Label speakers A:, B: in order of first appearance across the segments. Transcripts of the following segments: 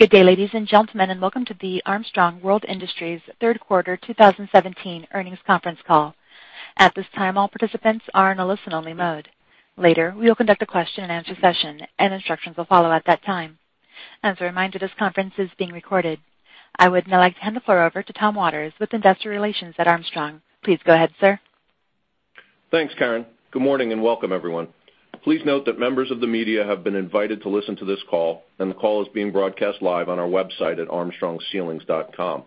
A: Good day, ladies and gentlemen, and welcome to the Armstrong World Industries third quarter 2017 earnings conference call. At this time, all participants are in a listen-only mode. Later, we will conduct a question-and-answer session, and instructions will follow at that time. As a reminder, this conference is being recorded. I would now like to hand the floor over to Tom Waters with investor relations at Armstrong. Please go ahead, sir.
B: Thanks, Karen. Good morning and welcome, everyone. Please note that members of the media have been invited to listen to this call, and the call is being broadcast live on our website at armstrongceilings.com.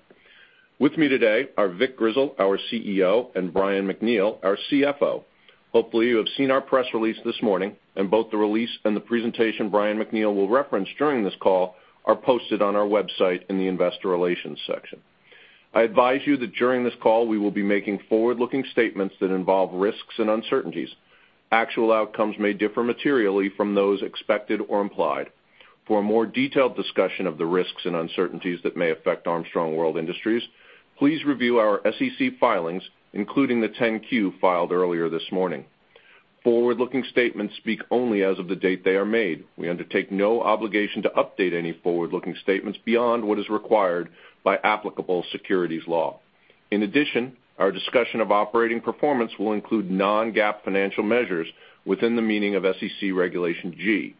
B: With me today are Vic Grizzle, our CEO, and Brian MacNeal, our CFO. Hopefully, you have seen our press release this morning, and both the release and the presentation Brian MacNeal will reference during this call are posted on our website in the investor relations section. I advise you that during this call, we will be making forward-looking statements that involve risks and uncertainties. Actual outcomes may differ materially from those expected or implied. For a more detailed discussion of the risks and uncertainties that may affect Armstrong World Industries, please review our SEC filings, including the 10-Q filed earlier this morning. Forward-looking statements speak only as of the date they are made. We undertake no obligation to update any forward-looking statements beyond what is required by applicable securities law. In addition, our discussion of operating performance will include non-GAAP financial measures within the meaning of SEC Regulation G.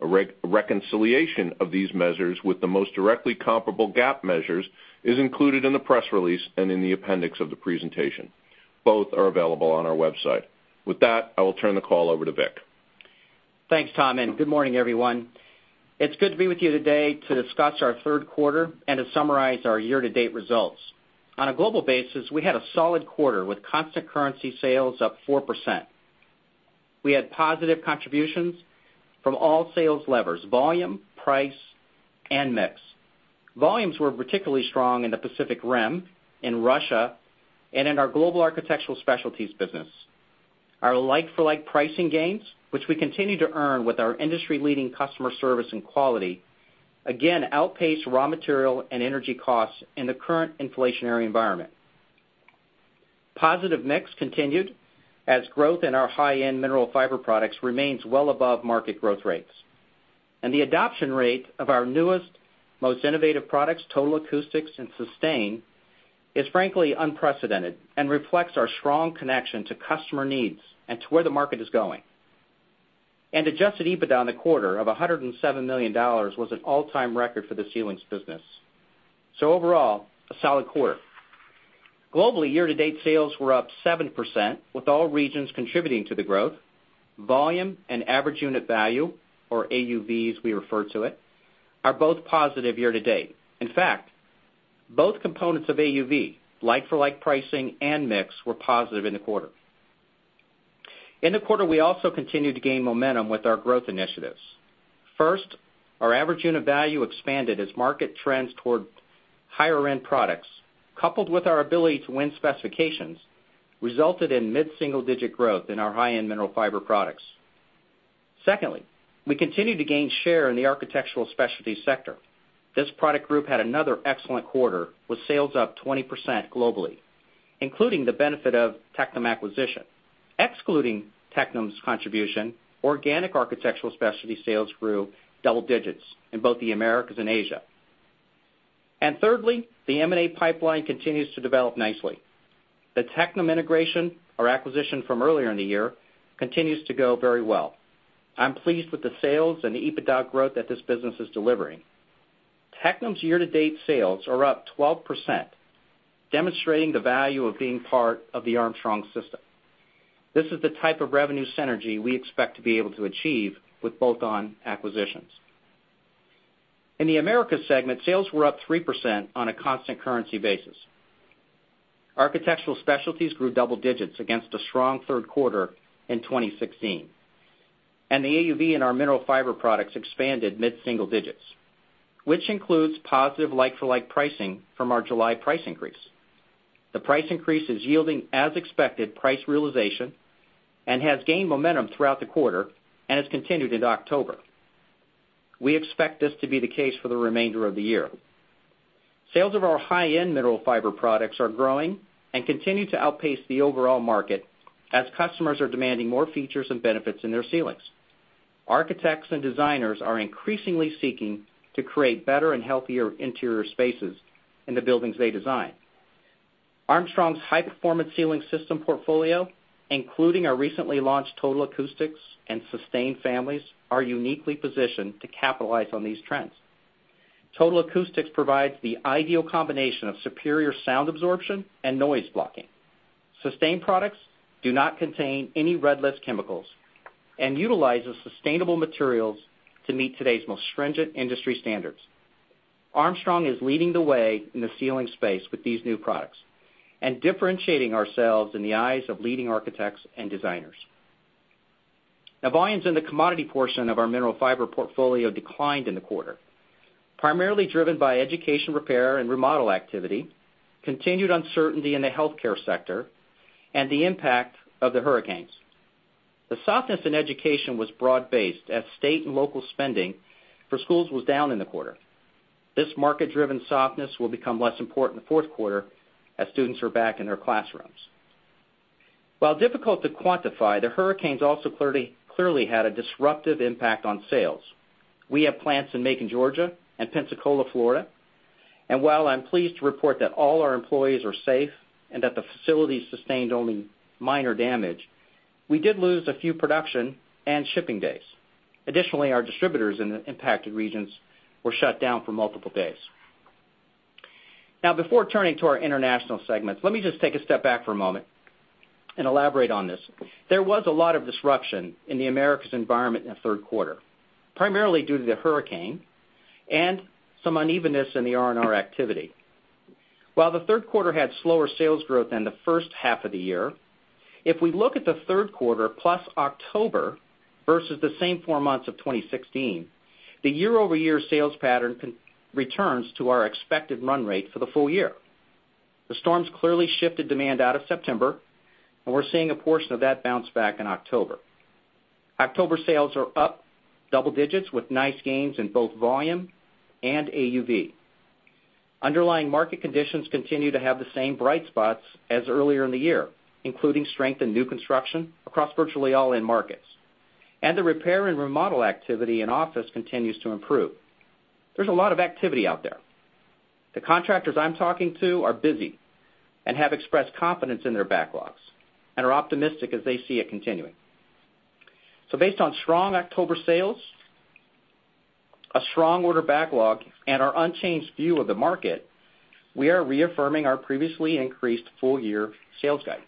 B: A reconciliation of these measures with the most directly comparable GAAP measures is included in the press release and in the appendix of the presentation. Both are available on our website. With that, I will turn the call over to Vic.
C: Thanks, Tom, and good morning, everyone. It's good to be with you today to discuss our third quarter and to summarize our year-to-date results. On a global basis, we had a solid quarter with constant currency sales up 4%. We had positive contributions from all sales levers, volume, price, and mix. Volumes were particularly strong in the Pacific Rim, in Russia, and in our global Architectural Specialties business. Our like-for-like pricing gains, which we continue to earn with our industry-leading customer service and quality, again outpaced raw material and energy costs in the current inflationary environment. Positive mix continued as growth in our high-end Mineral Fiber products remains well above market growth rates. The adoption rate of our newest, most innovative products, Total Acoustics and Sustain, is frankly unprecedented and reflects our strong connection to customer needs and to where the market is going. Adjusted EBITDA in the quarter of $107 million was an all-time record for the ceilings business. Overall, a solid quarter. Globally, year-to-date sales were up 7%, with all regions contributing to the growth. Volume and average unit value, or AUV as we refer to it, are both positive year to date. In fact, both components of AUV, like-for-like pricing and mix, were positive in the quarter. In the quarter, we also continued to gain momentum with our growth initiatives. First, our average unit value expanded as market trends toward higher-end products, coupled with our ability to win specifications, resulted in mid-single-digit growth in our high-end Mineral Fiber products. Secondly, we continued to gain share in the Architectural Specialties sector. This product group had another excellent quarter with sales up 20% globally, including the benefit of Tectum acquisition. Excluding Tectum's contribution, organic Architectural Specialties sales grew double digits in both the Americas and Asia. Thirdly, the M&A pipeline continues to develop nicely. The Tectum integration or acquisition from earlier in the year continues to go very well. I'm pleased with the sales and the EBITDA growth that this business is delivering. Tectum's year-to-date sales are up 12%, demonstrating the value of being part of the Armstrong system. This is the type of revenue synergy we expect to be able to achieve with bolt-on acquisitions. In the Americas segment, sales were up 3% on a constant currency basis. Architectural Specialties grew double digits against a strong third quarter in 2016. The AUV in our Mineral Fiber products expanded mid-single digits, which includes positive like-for-like pricing from our July price increase. The price increase is yielding as expected price realization and has gained momentum throughout the quarter and has continued into October. We expect this to be the case for the remainder of the year. Sales of our high-end Mineral Fiber products are growing and continue to outpace the overall market as customers are demanding more features and benefits in their ceilings. Architects and designers are increasingly seeking to create better and healthier interior spaces in the buildings they design. Armstrong's high-performance ceiling system portfolio, including our recently launched Total Acoustics and Sustain families, are uniquely positioned to capitalize on these trends. Total Acoustics provides the ideal combination of superior sound absorption and noise blocking. Sustain products do not contain any Red List chemicals and utilizes sustainable materials to meet today's most stringent industry standards. Armstrong is leading the way in the ceiling space with these new products and differentiating ourselves in the eyes of leading architects and designers. Volumes in the commodity portion of our Mineral Fiber portfolio declined in the quarter, primarily driven by education repair and remodel activity, continued uncertainty in the healthcare sector, and the impact of the hurricanes. The softness in education was broad-based as state and local spending for schools was down in the quarter. This market-driven softness will become less important in the fourth quarter as students are back in their classrooms. While difficult to quantify, the hurricanes also clearly had a disruptive impact on sales. We have plants in Macon, Georgia, and Pensacola, Florida. While I'm pleased to report that all our employees are safe and that the facilities sustained only minor damage, we did lose a few production and shipping days. Additionally, our distributors in the impacted regions were shut down for multiple days. Before turning to our international segments, let me just take a step back for a moment and elaborate on this. There was a lot of disruption in the Americas environment in the third quarter, primarily due to the hurricane and some unevenness in the R&R activity. While the third quarter had slower sales growth than the first half of the year, if we look at the third quarter, plus October, versus the same four months of 2016, the year-over-year sales pattern returns to our expected run rate for the full year. The storms clearly shifted demand out of September, and we're seeing a portion of that bounce back in October. October sales are up double digits with nice gains in both volume and AUV. Underlying market conditions continue to have the same bright spots as earlier in the year, including strength in new construction across virtually all end markets. The repair and remodel activity in office continues to improve. There's a lot of activity out there. The contractors I'm talking to are busy and have expressed confidence in their backlogs, and are optimistic as they see it continuing. Based on strong October sales, a strong order backlog, and our unchanged view of the market, we are reaffirming our previously increased full-year sales guidance.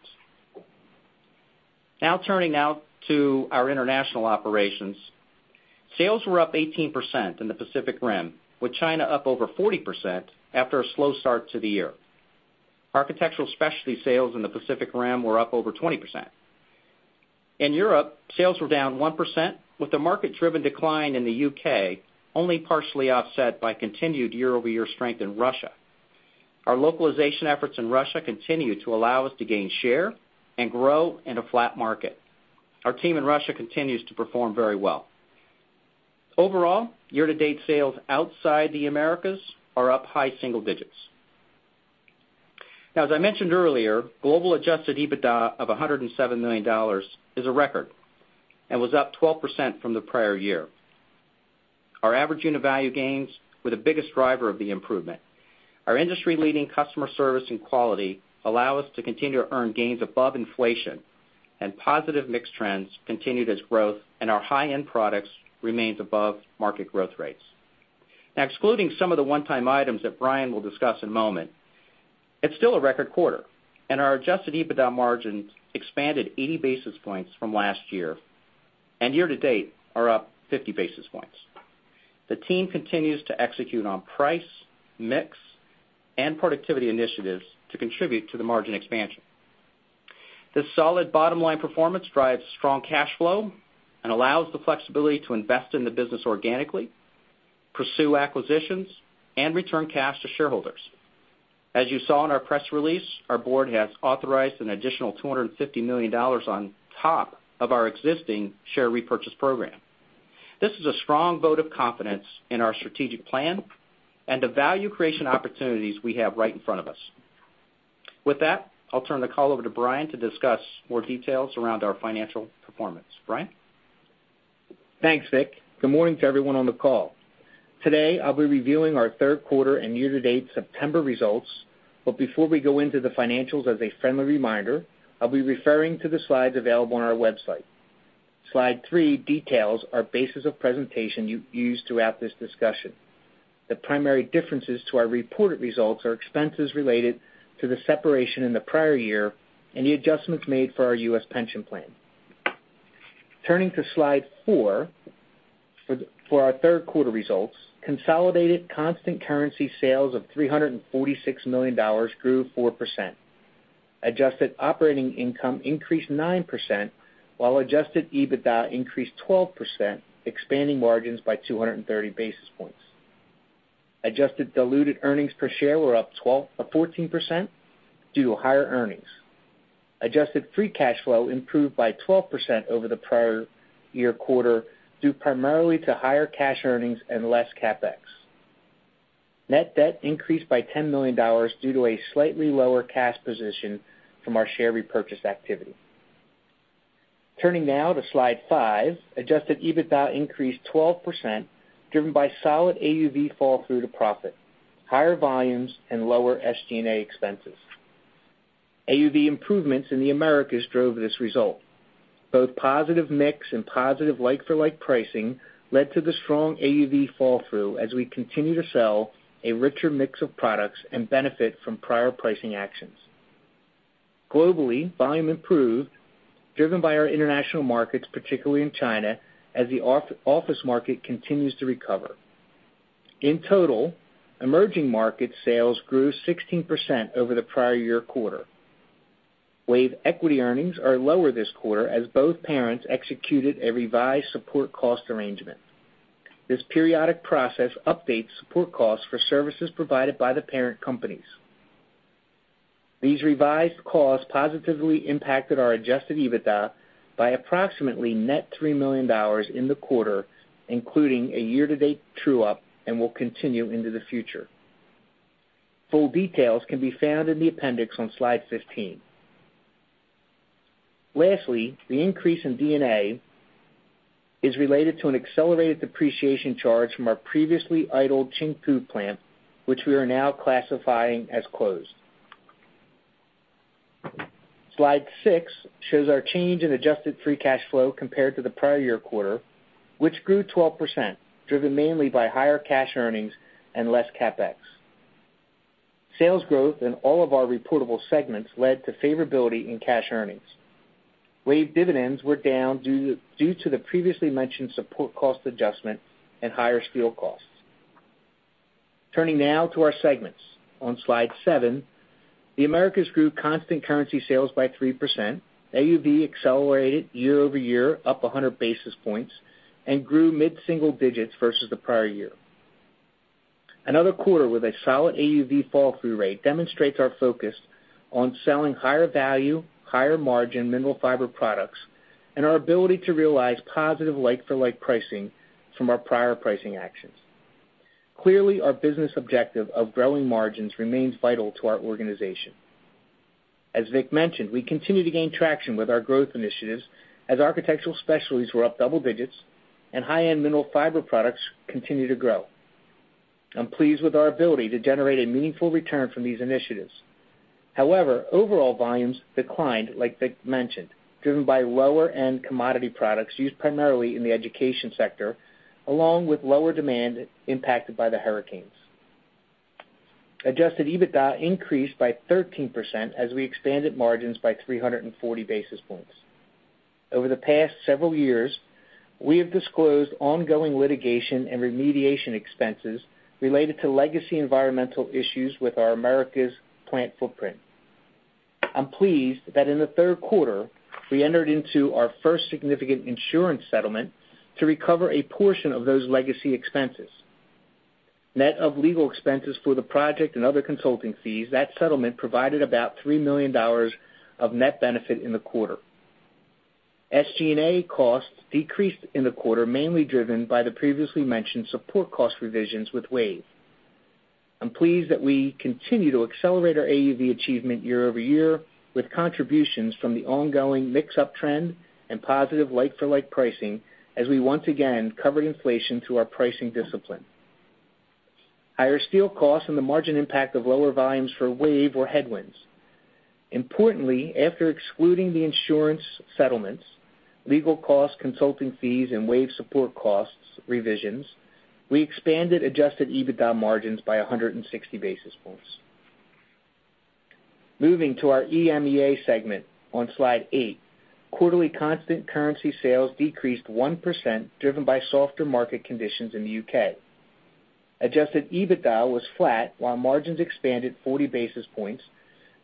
C: Turning now to our international operations. Sales were up 18% in the Pacific Rim, with China up over 40% after a slow start to the year. Architectural Specialties sales in the Pacific Rim were up over 20%. In Europe, sales were down 1%, with the market-driven decline in the U.K. only partially offset by continued year-over-year strength in Russia. Our localization efforts in Russia continue to allow us to gain share and grow in a flat market. Our team in Russia continues to perform very well. Overall, year-to-date sales outside the Americas are up high single digits. As I mentioned earlier, global adjusted EBITDA of $107 million is a record and was up 12% from the prior year. Our average unit value gains were the biggest driver of the improvement. Our industry-leading customer service and quality allow us to continue to earn gains above inflation, and positive mix trends continued as growth in our high-end products remains above market growth rates. Excluding some of the one-time items that Brian will discuss in a moment, it's still a record quarter, and our adjusted EBITDA margins expanded 80 basis points from last year, and year to date are up 50 basis points. The team continues to execute on price, mix, and productivity initiatives to contribute to the margin expansion. This solid bottom-line performance drives strong cash flow and allows the flexibility to invest in the business organically, pursue acquisitions, and return cash to shareholders. As you saw in our press release, our board has authorized an additional $250 million on top of our existing share repurchase program. This is a strong vote of confidence in our strategic plan and the value creation opportunities we have right in front of us. With that, I'll turn the call over to Brian to discuss more details around our financial performance. Brian?
D: Thanks, Vic. Good morning to everyone on the call. Today, I'll be reviewing our third quarter and year-to-date September results. Before we go into the financials, as a friendly reminder, I'll be referring to the slides available on our website. Slide three details our basis of presentation used throughout this discussion. The primary differences to our reported results are expenses related to the separation in the prior year and the adjustments made for our U.S. pension plan. Turning to slide four for our third quarter results, consolidated constant currency sales of $346 million grew 4%. Adjusted operating income increased 9%, while adjusted EBITDA increased 12%, expanding margins by 230 basis points. Adjusted diluted earnings per share were up 14% due to higher earnings. Adjusted free cash flow improved by 12% over the prior year quarter, due primarily to higher cash earnings and less CapEx. Net debt increased by $10 million due to a slightly lower cash position from our share repurchase activity. Turning now to slide five, adjusted EBITDA increased 12%, driven by solid AUV fall through to profit, higher volumes, and lower SG&A expenses. AUV improvements in the Americas drove this result. Both positive mix and positive like-for-like pricing led to the strong AUV fall through as we continue to sell a richer mix of products and benefit from prior pricing actions. Globally, volume improved, driven by our international markets, particularly in China, as the office market continues to recover. In total, emerging market sales grew 16% over the prior year quarter. WAVE equity earnings are lower this quarter as both parents executed a revised support cost arrangement. This periodic process updates support costs for services provided by the parent companies. These revised costs positively impacted our adjusted EBITDA by approximately net $3 million in the quarter, including a year-to-date true-up, and will continue into the future. Full details can be found in the appendix on slide 15. Lastly, the increase in D&A is related to an accelerated depreciation charge from our previously idled Qingpu plant, which we are now classifying as closed. Slide six shows our change in adjusted free cash flow compared to the prior year quarter, which grew 12%, driven mainly by higher cash earnings and less CapEx. Sales growth in all of our reportable segments led to favorability in cash earnings. WAVE dividends were down due to the previously mentioned support cost adjustment and higher steel costs. Turning now to our segments. On slide seven, the Americas grew constant currency sales by 3%. AUV accelerated year-over-year, up 100 basis points, and grew mid-single digits versus the prior year. Another quarter with a solid AUV fall-through rate demonstrates our focus on selling higher value, higher margin Mineral Fiber products, and our ability to realize positive like-for-like pricing from our prior pricing actions. Our business objective of growing margins remains vital to our organization. As Vic mentioned, we continue to gain traction with our growth initiatives as Architectural Specialties were up double digits and high-end Mineral Fiber products continue to grow. I'm pleased with our ability to generate a meaningful return from these initiatives. Overall volumes declined, like Vic mentioned, driven by lower-end commodity products used primarily in the education sector, along with lower demand impacted by the hurricanes. Adjusted EBITDA increased by 13% as we expanded margins by 340 basis points. Over the past several years, we have disclosed ongoing litigation and remediation expenses related to legacy environmental issues with our Americas plant footprint. I'm pleased that in the third quarter, we entered into our first significant insurance settlement to recover a portion of those legacy expenses. Net of legal expenses for the project and other consulting fees, that settlement provided about $3 million of net benefit in the quarter. SG&A costs decreased in the quarter, mainly driven by the previously mentioned support cost revisions with WAVE. I'm pleased that we continue to accelerate our AUV achievement year-over-year with contributions from the ongoing mix-up trend and positive like-for-like pricing as we once again covered inflation through our pricing discipline. Higher steel costs and the margin impact of lower volumes for WAVE were headwinds. Importantly, after excluding the insurance settlements, legal costs, consulting fees, and WAVE support costs revisions, we expanded adjusted EBITDA margins by 160 basis points. Moving to our EMEA segment on Slide 8. Quarterly constant-currency sales decreased 1%, driven by softer market conditions in the U.K. Adjusted EBITDA was flat, while margins expanded 40 basis points,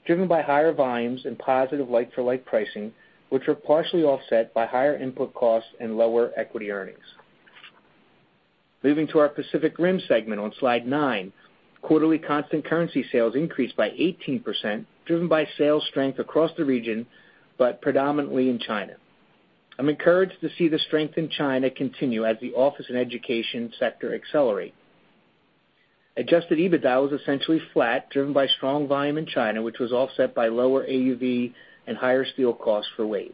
D: driven by higher volumes and positive like-for-like pricing, which were partially offset by higher input costs and lower equity earnings. Moving to our Pacific Rim segment on Slide 9. Quarterly constant currency sales increased by 18%, driven by sales strength across the region, but predominantly in China. I'm encouraged to see the strength in China continue as the office and education sector accelerate. Adjusted EBITDA was essentially flat, driven by strong volume in China, which was offset by lower AUV and higher steel costs for WAVE.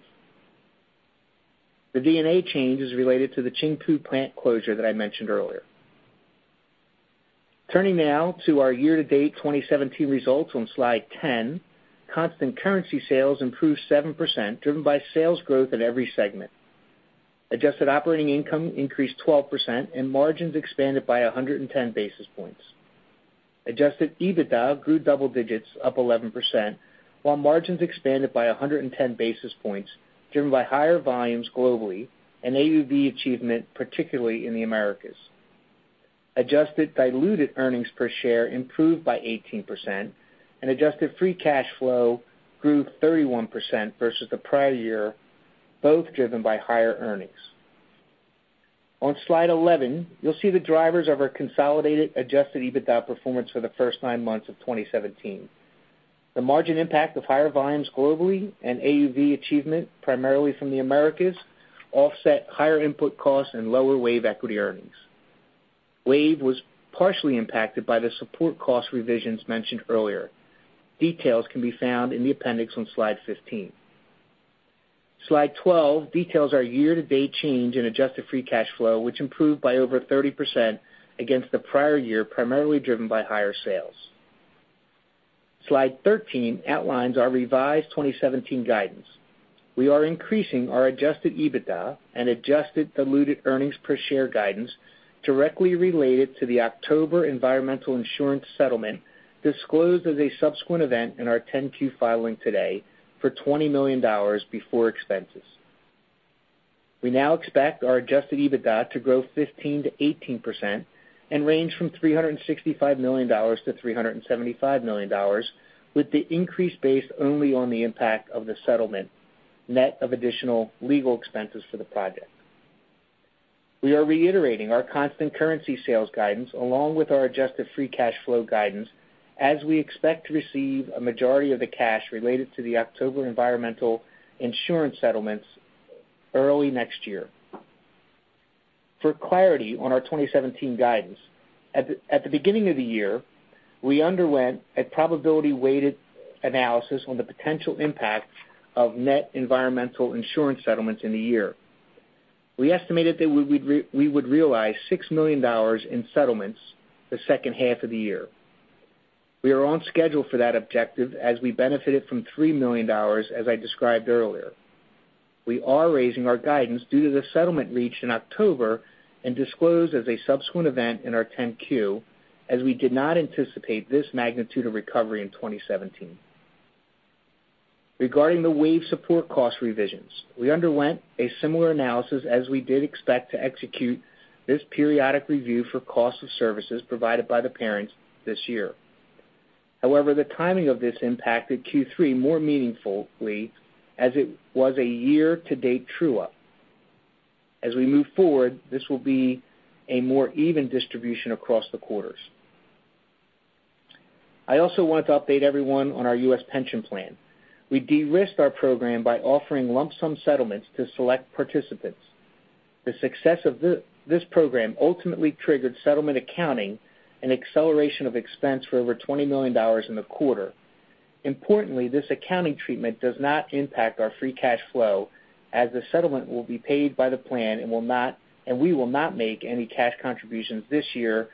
D: The D&A change is related to the Qingpu plant closure that I mentioned earlier. Turning now to our year-to-date 2017 results on Slide 10. Constant currency sales improved 7%, driven by sales growth in every segment. Adjusted operating income increased 12%, and margins expanded by 110 basis points. Adjusted EBITDA grew double digits, up 11%, while margins expanded by 110 basis points, driven by higher volumes globally and AUV achievement, particularly in the Americas. Adjusted diluted earnings per share improved by 18%, and adjusted free cash flow grew 31% versus the prior year, both driven by higher earnings. On Slide 11, you'll see the drivers of our consolidated adjusted EBITDA performance for the first nine months of 2017. The margin impact of higher volumes globally and AUV achievement, primarily from the Americas, offset higher input costs and lower WAVE equity earnings. WAVE was partially impacted by the support cost revisions mentioned earlier. Details can be found in the appendix on Slide 15. Slide 12 details our year-to-date change in adjusted free cash flow, which improved by over 30% against the prior year, primarily driven by higher sales. Slide 13 outlines our revised 2017 guidance. We are increasing our adjusted EBITDA and adjusted diluted earnings per share guidance directly related to the October environmental insurance settlement, disclosed as a subsequent event in our 10-Q filing today, for $20 million before expenses. We now expect our adjusted EBITDA to grow 15%-18% and range from $365 million-$375 million, with the increase based only on the impact of the settlement, net of additional legal expenses for the project. We are reiterating our constant currency sales guidance along with our adjusted free cash flow guidance as we expect to receive a majority of the cash related to the October environmental insurance settlements early next year. For clarity on our 2017 guidance, at the beginning of the year, we underwent a probability-weighted analysis on the potential impact of net environmental insurance settlements in the year. We estimated that we would realize $6 million in settlements the second half of the year. We are on schedule for that objective as we benefited from $3 million, as I described earlier. We are raising our guidance due to the settlement reached in October and disclosed as a subsequent event in our 10-Q, as we did not anticipate this magnitude of recovery in 2017. Regarding the WAVE support cost revisions, we underwent a similar analysis as we did expect to execute this periodic review for cost of services provided by the parent this year. However, the timing of this impacted Q3 more meaningfully as it was a year-to-date true-up. As we move forward, this will be a more even distribution across the quarters. I also wanted to update everyone on our U.S. pension plan. We de-risked our program by offering lump sum settlements to select participants. The success of this program ultimately triggered settlement accounting and acceleration of expense for over $20 million in the quarter. Importantly, this accounting treatment does not impact our free cash flow, as the settlement will be paid by the plan and we will not make any cash contributions this year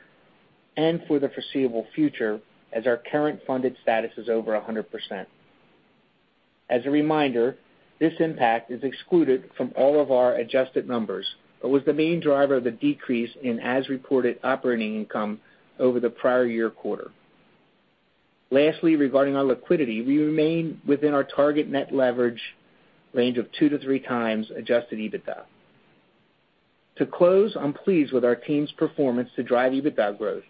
D: and for the foreseeable future, as our current funded status is over 100%. As a reminder, this impact is excluded from all of our adjusted numbers, but was the main driver of the decrease in as-reported operating income over the prior year quarter. Lastly, regarding our liquidity, we remain within our target net leverage range of two to three times adjusted EBITDA. To close, I'm pleased with our team's performance to drive EBITDA growth.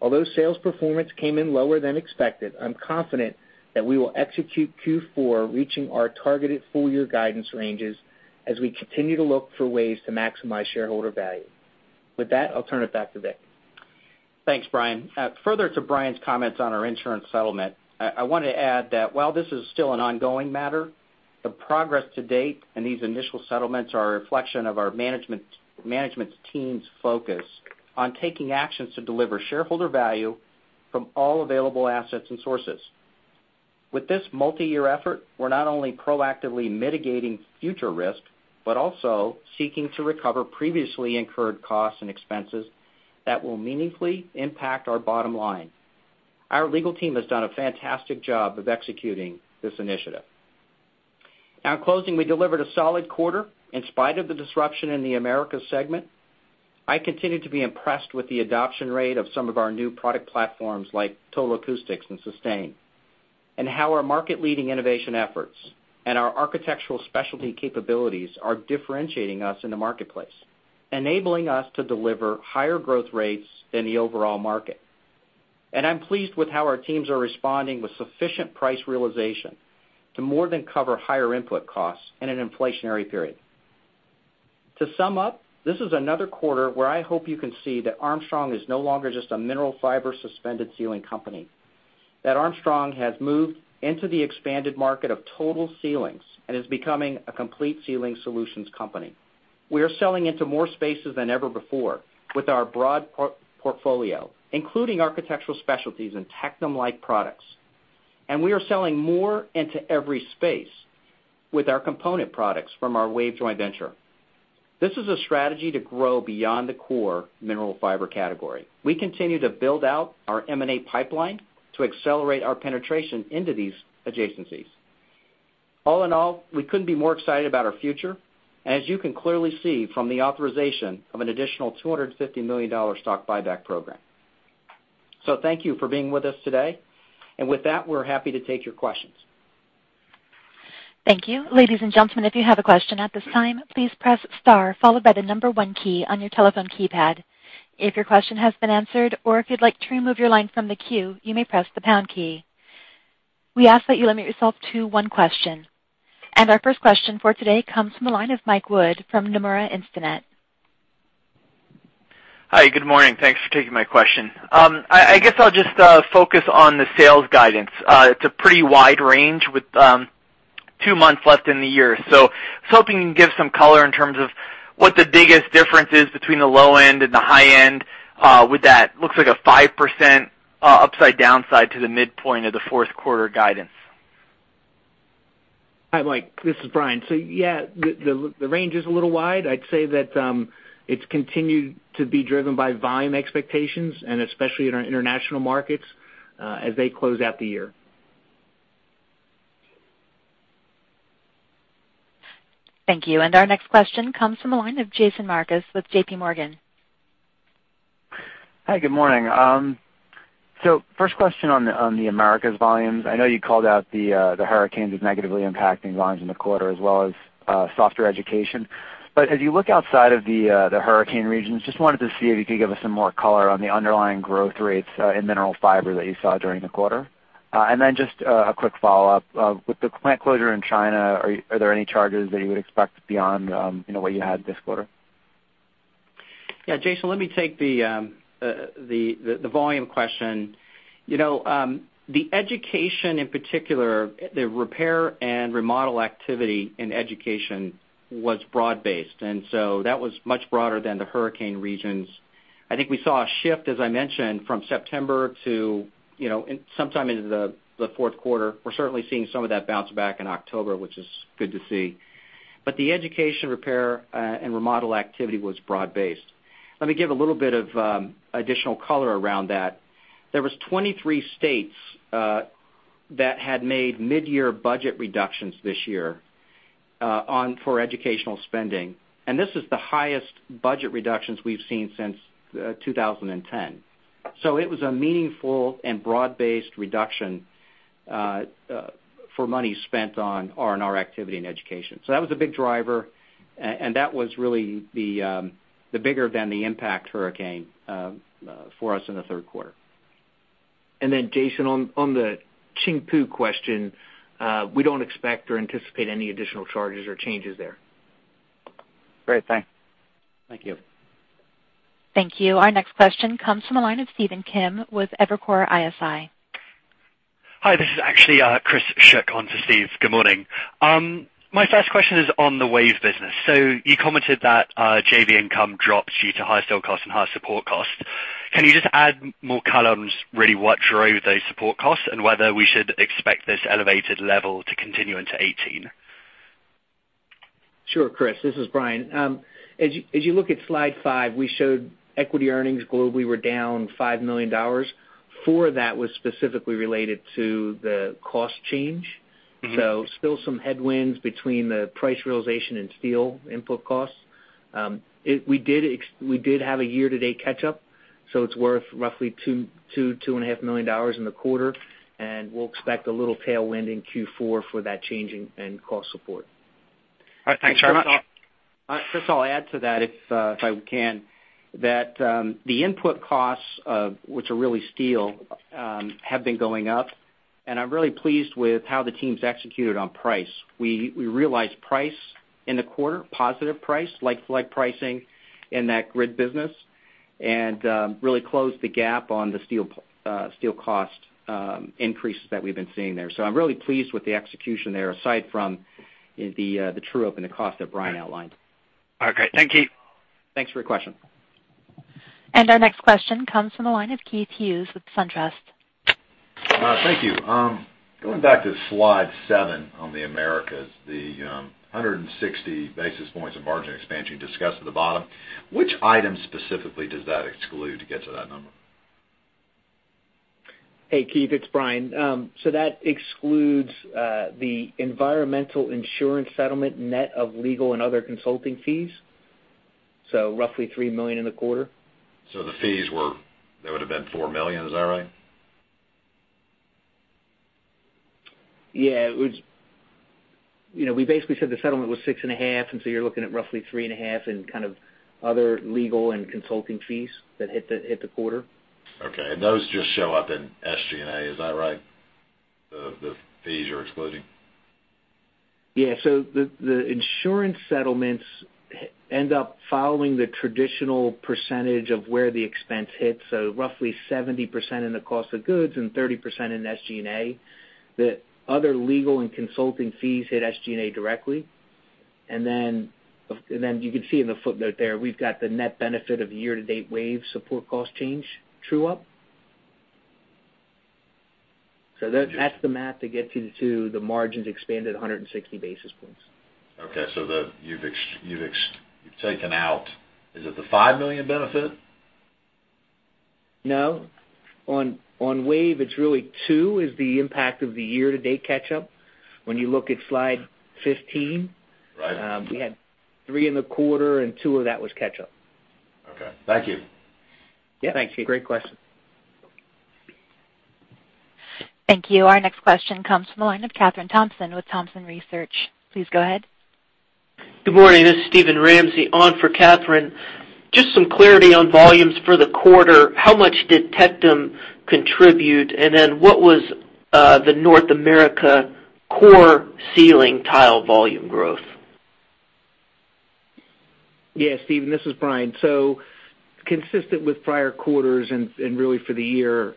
D: Although sales performance came in lower than expected, I'm confident that we will execute Q4, reaching our targeted full-year guidance ranges as we continue to look for ways to maximize shareholder value. With that, I'll turn it back to Vic.
C: Thanks, Brian. Further to Brian's comments on our insurance settlement, I want to add that while this is still an ongoing matter, the progress to date and these initial settlements are a reflection of our management team's focus on taking actions to deliver shareholder value from all available assets and sources. With this multi-year effort, we're not only proactively mitigating future risk, but also seeking to recover previously incurred costs and expenses that will meaningfully impact our bottom line. Our legal team has done a fantastic job of executing this initiative. Now, in closing, we delivered a solid quarter in spite of the disruption in the Americas segment. I continue to be impressed with the adoption rate of some of our new product platforms like Total Acoustics and Sustain. How our market-leading innovation efforts and our Architectural Specialties capabilities are differentiating us in the marketplace, enabling us to deliver higher growth rates than the overall market. I'm pleased with how our teams are responding with sufficient price realization to more than cover higher input costs in an inflationary period. To sum up, this is another quarter where I hope you can see that Armstrong is no longer just a Mineral Fiber suspended ceiling company, that Armstrong has moved into the expanded market of total ceilings and is becoming a complete ceiling solutions company. We are selling into more spaces than ever before with our broad portfolio, including Architectural Specialties and Tectum-like products. We are selling more into every space with our component products from our WAVE joint venture. This is a strategy to grow beyond the core Mineral Fiber category. We continue to build out our M&A pipeline to accelerate our penetration into these adjacencies. All in all, we couldn't be more excited about our future, as you can clearly see from the authorization of an additional $250 million stock buyback program. Thank you for being with us today. With that, we're happy to take your questions.
A: Thank you. Ladies and gentlemen, if you have a question at this time, please press star followed by the number one key on your telephone keypad. If your question has been answered or if you'd like to remove your line from the queue, you may press the pound key. We ask that you limit yourself to one question. Our first question for today comes from the line of Michael Wood from Nomura Instinet.
E: Hi, good morning. Thanks for taking my question. I guess I'll just focus on the sales guidance. It's a pretty wide range with two months left in the year. I was hoping you can give some color in terms of what the biggest difference is between the low end and the high end with that. Looks like a 5% upside downside to the midpoint of the fourth quarter guidance.
D: Hi, Mike. This is Brian. Yeah, the range is a little wide. I'd say that it's continued to be driven by volume expectations, especially in our international markets as they close out the year.
A: Our next question comes from the line of Jason Marcus with JPMorgan.
F: Hi, good morning. First question on the Americas volumes. I know you called out the hurricanes as negatively impacting volumes in the quarter as well as softer education. As you look outside of the hurricane regions, just wanted to see if you could give us some more color on the underlying growth rates in Mineral Fiber that you saw during the quarter. Then just a quick follow-up. With the plant closure in China, are there any charges that you would expect beyond what you had this quarter?
D: Yeah, Jason, let me take the volume question. The education in particular, the repair and remodel activity in education was broad-based. That was much broader than the hurricane regions. I think we saw a shift, as I mentioned, from September to sometime into the fourth quarter. We're certainly seeing some of that bounce back in October, which is good to see. The education repair and remodel activity was broad-based. Let me give a little bit of additional color around that. There was 23 states that had made mid-year budget reductions this year for educational spending, and this is the highest budget reductions we've seen since 2010. It was a meaningful and broad-based reduction for money spent on R&R activity and education. That was a big driver, and that was really the bigger than the impact hurricane for us in the third quarter. Jason, on the Qingpu question, we don't expect or anticipate any additional charges or changes there.
F: Great. Thanks.
D: Thank you.
A: Thank you. Our next question comes from the line of Stephen Kim with Evercore ISI.
G: Hi, this is actually Chris Shook on to Steve's. Good morning. My first question is on the WAVE business. You commented that JV income dropped due to high steel cost and high support cost. Can you just add more color on just really what drove those support costs, and whether we should expect this elevated level to continue into 2018?
D: Sure, Chris. This is Brian. As you look at slide five, we showed equity earnings globally were down $5 million. Four, that was specifically related to the cost change. Still some headwinds between the price realization and steel input costs. We did have a year-to-date catch-up, so it's worth roughly $2 million-$2.5 million in the quarter, and we'll expect a little tailwind in Q4 for that change in cost support.
G: All right. Thanks very much.
C: Chris, I'll add to that if I can. The input costs, which are really steel, have been going up, and I'm really pleased with how the team's executed on price. We realized price in the quarter, positive price, like-to-like pricing in that grid business, and really closed the gap on the steel cost increases that we've been seeing there. I'm really pleased with the execution there, aside from the true-up and the cost that Brian MacNeal outlined.
G: Okay, thank you.
C: Thanks for your question.
A: Our next question comes from the line of Keith Hughes with SunTrust.
H: Thank you. Going back to slide seven on the Americas, the 160 basis points of margin expansion discussed at the bottom. Which item specifically does that exclude to get to that number?
D: Hey, Keith, it's Brian. That excludes the environmental insurance settlement net of legal and other consulting fees, roughly $3 million in the quarter.
H: That would've been $4 million. Is that right?
D: Yeah. We basically said the settlement was six and a half, you're looking at roughly three and a half in kind of other legal and consulting fees that hit the quarter.
H: Okay. Those just show up in SG&A, is that right? The fees you're excluding.
D: Yeah. The insurance settlements end up following the traditional percentage of where the expense hits, roughly 70% in the cost of goods and 30% in SG&A. The other legal and consulting fees hit SG&A directly. Then you can see in the footnote there, we've got the net benefit of year-to-date WAVE support cost change true up. That's the math to get you to the margins expanded 160 basis points.
H: Okay, you've taken out, is it the $5 million benefit?
D: No. On WAVE, it's really two is the impact of the year-to-date catch-up. When you look at slide 15.
H: Right.
D: We had three in the quarter, and two of that was catch-up.
H: Okay. Thank you.
C: Yeah. Thanks, Keith. Great question.
A: Thank you. Our next question comes from the line of Kathryn Thompson with Thompson Research. Please go ahead.
I: Good morning. This is Steven Ramsey on for Kathryn. Some clarity on volumes for the quarter. How much did Tectum contribute, what was the North America core Mineral Fiber volume growth?
D: Steven, this is Brian. Consistent with prior quarters and really for the year,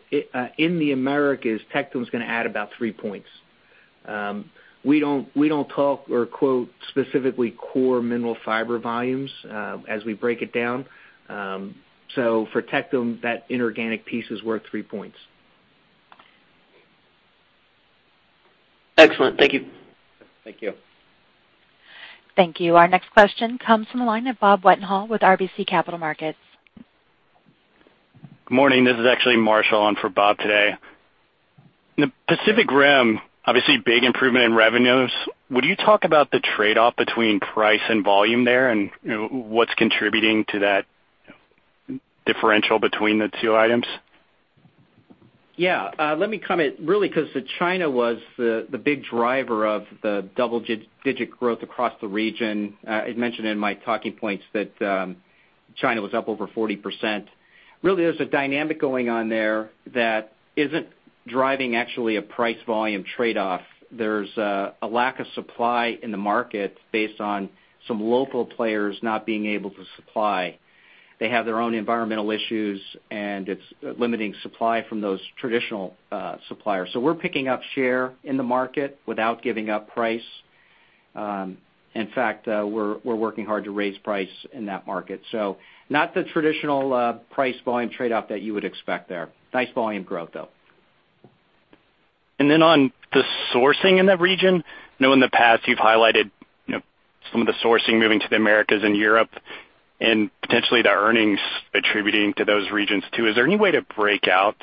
D: in the Americas, Tectum is going to add about three points. We don't talk or quote specifically core Mineral Fiber volumes as we break it down. For Tectum, that inorganic piece is worth three points.
I: Excellent. Thank you.
D: Thank you.
A: Thank you. Our next question comes from the line of Robert Wetenhall with RBC Capital Markets.
J: Good morning. This is actually Marshall on for Bob today. In the Pacific Rim, obviously big improvement in revenues. Would you talk about the trade-off between price and volume there, and what's contributing to that differential between the two items?
D: Yeah. Let me comment really because China was the big driver of the double-digit growth across the region. I mentioned in my talking points that China was up over 40%. Really, there's a dynamic going on there that isn't driving actually a price-volume trade-off. There's a lack of supply in the market based on some local players not being able to supply. They have their own environmental issues, and it's limiting supply from those traditional suppliers. We're picking up share in the market without giving up price. In fact, we're working hard to raise price in that market. Not the traditional price-volume trade-off that you would expect there. Nice volume growth, though.
J: On the sourcing in the region, I know in the past you've highlighted some of the sourcing moving to the Americas and Europe and potentially the earnings attributing to those regions too. Is there any way to break out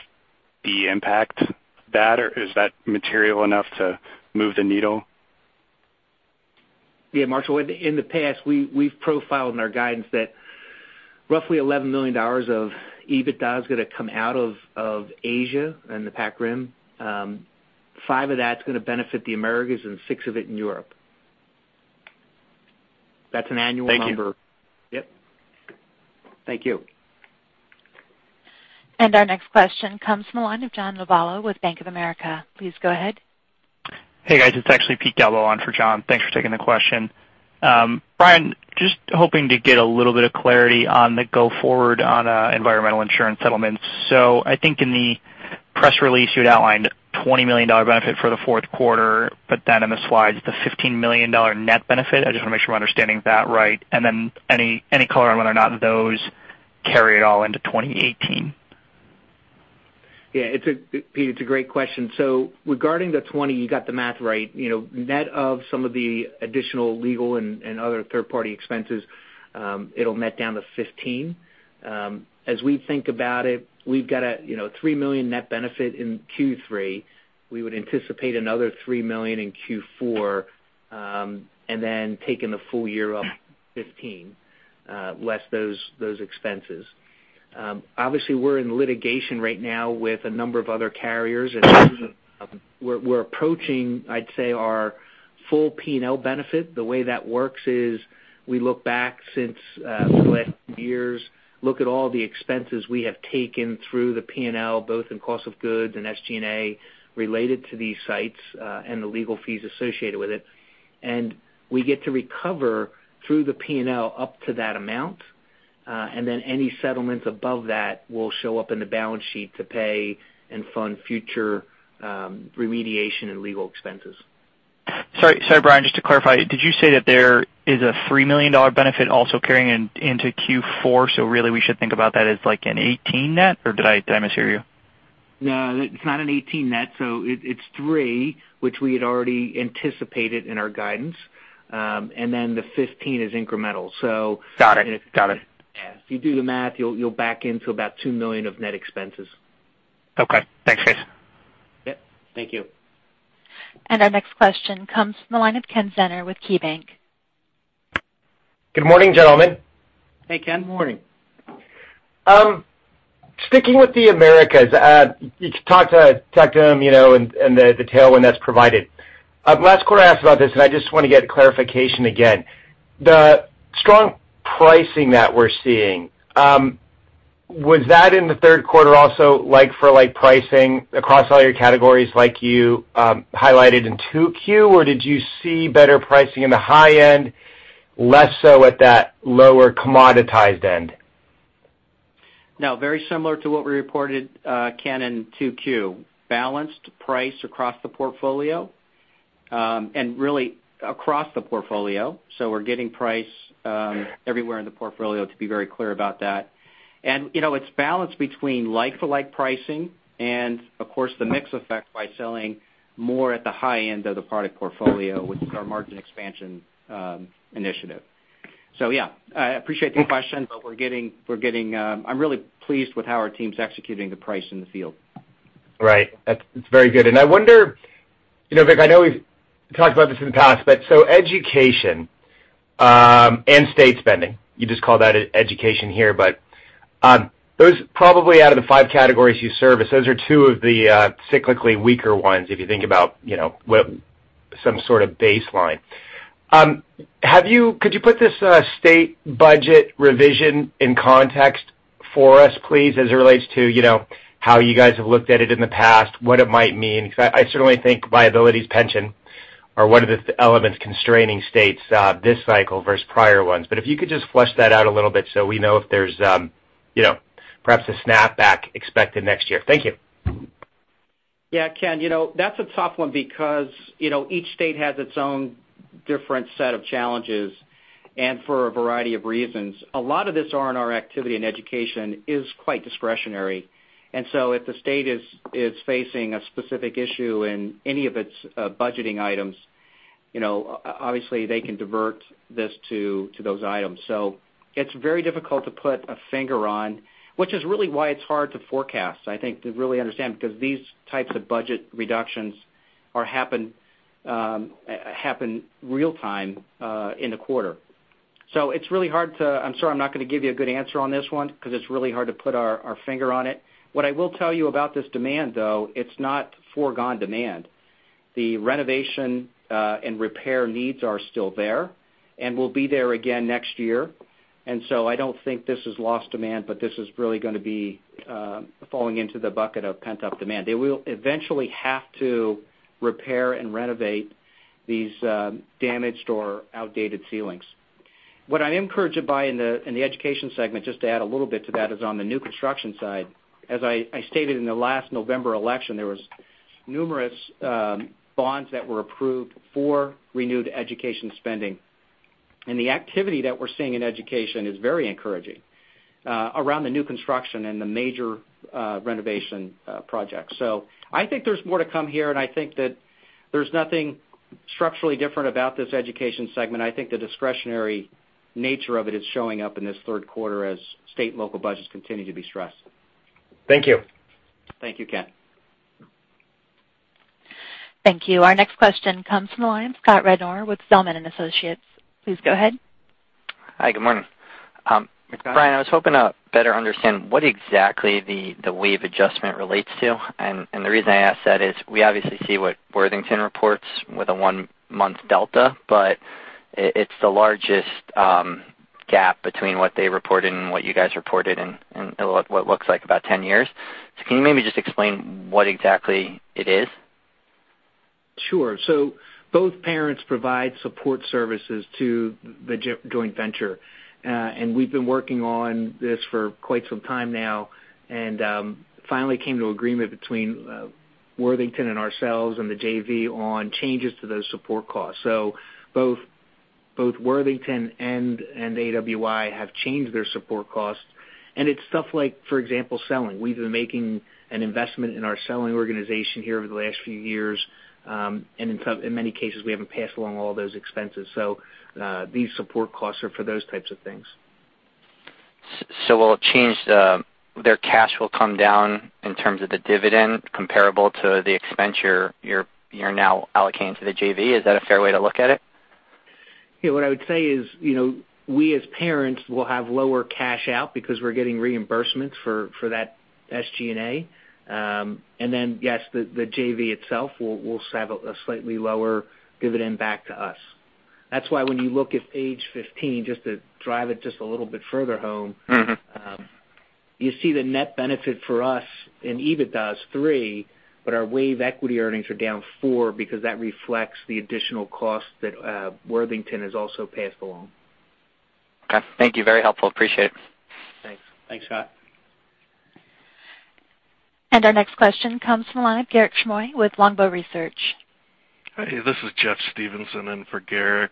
J: the impact of that, or is that material enough to move the needle?
D: Yeah, Marshall, in the past, we've profiled in our guidance that roughly $11 million of EBITDA is going to come out of Asia and the PAC Rim. $5 million of that's going to benefit the Americas, and $6 million of it in Europe. That's an annual number.
J: Thank you.
D: Yep. Thank you.
A: Our next question comes from the line of John Lovallo with Bank of America. Please go ahead.
K: Hey, guys. It's actually Peter Galbo on for John. Thanks for taking the question. Brian, just hoping to get a little bit of clarity on the go forward on environmental insurance settlements. I think in the press release, you had outlined $20 million benefit for the fourth quarter, but then in the slides, the $15 million net benefit. I just want to make sure I'm understanding that right. Then any color on whether or not those carry at all into 2018?
D: Yeah, Pete, it's a great question. Regarding the $20, you got the math right. Net of some of the additional legal and other third-party expenses, it'll net down to $15. As we think about it, we've got a $3 million net benefit in Q3. We would anticipate another $3 million in Q4, then taking the full year of $15, less those expenses. Obviously, we're in litigation right now with a number of other carriers, and we're approaching, I'd say, our full P&L benefit. The way that works is we look back since the last few years, look at all the expenses we have taken through the P&L, both in cost of goods and SG&A related to these sites, and the legal fees associated with it. We get to recover through the P&L up to that amount, then any settlements above that will show up in the balance sheet to pay and fund future remediation and legal expenses.
K: Sorry, Brian, just to clarify, did you say that there is a $3 million benefit also carrying into Q4? Really we should think about that as like an 18 net, or did I mishear you?
D: No, it's not an 18 net. It's three, which we had already anticipated in our guidance. Then the 15 is incremental.
K: Got it.
D: If you do the math, you'll back into about $2 million of net expenses.
K: Okay. Thanks, guys.
D: Yep. Thank you.
A: Our next question comes from the line of Kenneth Zener with KeyBanc.
L: Good morning, gentlemen.
C: Hey, Ken. Morning.
L: Sticking with the Americas, you talked to them in the tailwind that's provided. Last quarter, I asked about this, and I just want to get clarification again. The strong pricing that we're seeing, was that in the third quarter also like for like pricing across all your categories like you highlighted in 2Q? Or did you see better pricing in the high end, less so at that lower commoditized end?
D: No, very similar to what we reported, Ken, in 2Q. Balanced price across the portfolio, and really across the portfolio. We're getting price everywhere in the portfolio to be very clear about that. It's balanced between like-for-like pricing and, of course, the mix effect by selling more at the high end of the product portfolio, which is our margin expansion initiative. Yeah, I appreciate the question, but I'm really pleased with how our team's executing the price in the field.
L: Right. That's very good. I wonder, Vic, I know we've talked about this in the past, education and state spending, you just call that education here, but those probably out of the five categories you service, those are two of the cyclically weaker ones, if you think about some sort of baseline. Could you put this state budget revision in context for us, please, as it relates to how you guys have looked at it in the past, what it might mean? I certainly think liabilities pension are one of the elements constraining states this cycle versus prior ones. If you could just flesh that out a little so we know if there's perhaps a snapback expected next year. Thank you.
C: Ken, that's a tough one because each state has its own different set of challenges and for a variety of reasons. A lot of this R&R activity in education is quite discretionary. If the state is facing a specific issue in any of its budgeting items, obviously they can divert this to those items. It's very difficult to put a finger on, which is really why it's hard to forecast, I think, to really understand, because these types of budget reductions happen real time in the quarter. I'm sorry I'm not going to give you a good answer on this one because it's really hard to put our finger on it. What I will tell you about this demand, though, it's not foregone demand. The renovation and repair needs are still there and will be there again next year.
D: I don't think this is lost demand, but this is really going to be falling into the bucket of pent-up demand. They will eventually have to repair and renovate these damaged or outdated ceilings. What I am encouraged by in the education segment, just to add a little bit to that, is on the new construction side. As I stated in the last November election, there was numerous bonds that were approved for renewed education spending. The activity that we're seeing in education is very encouraging around the new construction and the major renovation projects. I think there's more to come here, and I think that there's nothing structurally different about this education segment. I think the discretionary nature of it is showing up in this third quarter as state and local budgets continue to be stressed. Thank you. Thank you, Ken.
A: Thank you. Our next question comes from the line of Scott Rednor with Zelman & Associates. Please go ahead.
M: Hi, good morning.
C: Hi, Scott.
M: Brian, I was hoping to better understand what exactly the WAVE adjustment relates to. The reason I ask that is we obviously see what Worthington reports with a one-month delta, it's the largest gap between what they reported and what you guys reported in what looks like about 10 years. Can you maybe just explain what exactly it is?
D: Sure. Both parents provide support services to the joint venture. We've been working on this for quite some time now, and finally came to agreement between Worthington and ourselves and the JV on changes to those support costs. Both Worthington and AWI have changed their support costs. It's stuff like, for example, selling. We've been making an investment in our selling organization here over the last few years. In many cases, we haven't passed along all those expenses. These support costs are for those types of things.
M: Their cash will come down in terms of the dividend comparable to the expense you're now allocating to the JV. Is that a fair way to look at it?
D: Yeah, what I would say is we as parents will have lower cash out because we're getting reimbursements for that SG&A. Yes, the JV itself will have a slightly lower dividend back to us. That's why when you look at page 15, just to drive it just a little bit further home. You see the net benefit for us in EBITDA is three, but our WAVE equity earnings are down four because that reflects the additional cost that Worthington has also passed along.
M: Okay. Thank you. Very helpful. Appreciate it.
D: Thanks. Thanks, Scott.
A: Our next question comes from the line, Garik Shmois with Longbow Research.
N: Hi, this is Jeffrey Stevenson in for Garik.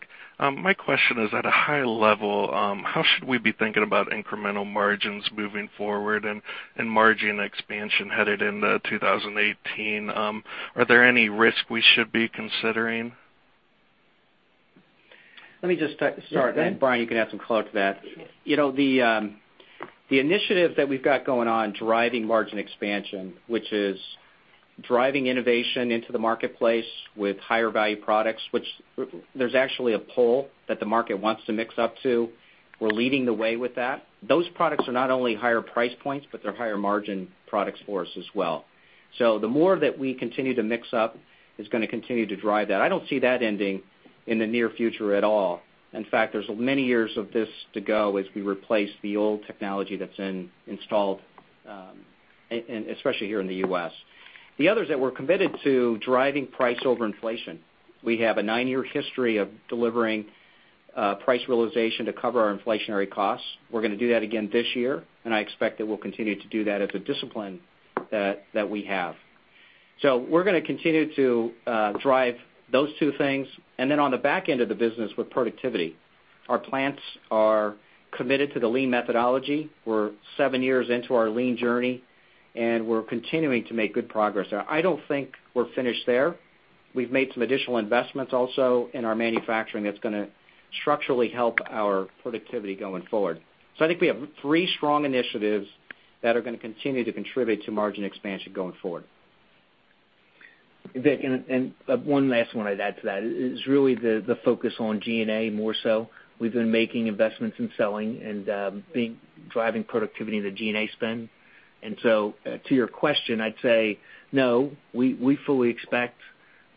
N: My question is, at a high level, how should we be thinking about incremental margins moving forward and margin expansion headed into 2018? Are there any risk we should be considering?
C: Yeah, go ahead then, Brian, you can add some color to that. The initiative that we've got going on, driving margin expansion, which is driving innovation into the marketplace with higher value products, which there's actually a pull that the market wants to mix up to. We're leading the way with that. Those products are not only higher price points, but they're higher margin products for us as well. The more that we continue to mix up is going to continue to drive that. I don't see that ending in the near future at all. In fact, there's many years of this to go as we replace the old technology that's installed, especially here in the U.S. The other is that we're committed to driving price over inflation. We have a nine-year history of delivering price realization to cover our inflationary costs.
D: We're going to do that again this year, and I expect that we'll continue to do that as a discipline that we have. We're going to continue to drive those two things, and then on the back end of the business with productivity. Our plants are committed to the Lean methodology. We're seven years into our Lean journey, and we're continuing to make good progress there. I don't think we're finished there. We've made some additional investments also in our manufacturing that's going to structurally help our productivity going forward. I think we have three strong initiatives that are going to continue to contribute to margin expansion going forward. Vic, one last one I'd add to that, is really the focus on G&A more so. We've been making investments in selling and big driving productivity in the G&A spend. To your question, I'd say, no, we fully expect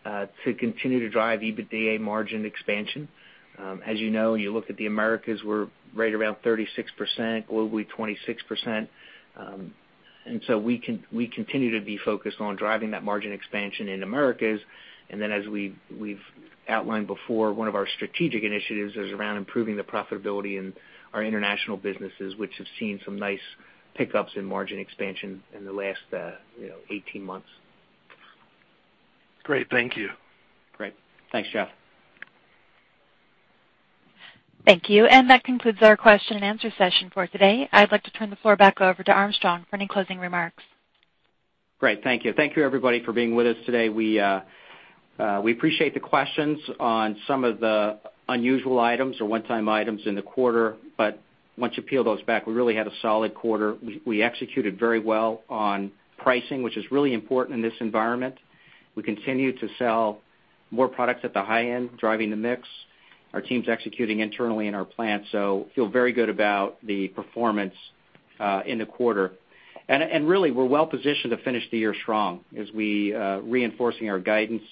D: to continue to drive EBITDA margin expansion. You know, you look at the Americas, we're right around 36%, globally 26%. We continue to be focused on driving that margin expansion in Americas. As we've outlined before, one of our strategic initiatives is around improving the profitability in our international businesses, which have seen some nice pickups in margin expansion in the last 18 months.
N: Great. Thank you.
D: Great. Thanks, Jeff.
A: Thank you. That concludes our question and answer session for today. I'd like to turn the floor back over to Armstrong for any closing remarks.
C: Great. Thank you. Thank you, everybody, for being with us today. We appreciate the questions on some of the unusual items or one-time items in the quarter. Once you peel those back, we really had a solid quarter. We executed very well on pricing, which is really important in this environment. We continue to sell more products at the high end, driving the mix. Our team's executing internally in our plant, so feel very good about the performance in the quarter. Really, we're well-positioned to finish the year strong as we reinforcing our guidance.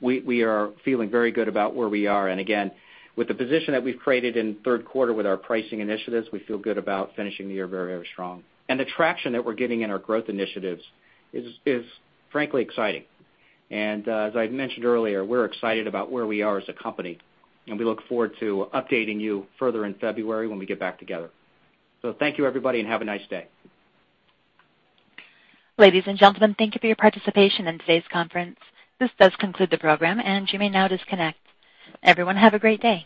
C: We are feeling very good about where we are. Again, with the position that we've created in third quarter with our pricing initiatives, we feel good about finishing the year very, very strong. The traction that we're getting in our growth initiatives is frankly exciting. As I mentioned earlier, we're excited about where we are as a company, and we look forward to updating you further in February when we get back together. Thank you, everybody, and have a nice day.
A: Ladies and gentlemen, thank you for your participation in today's conference. This does conclude the program, and you may now disconnect. Everyone, have a great day.